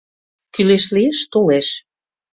Кӱлеш лиеш — толеш.